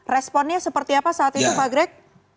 responnya seperti apa saat itu pak greg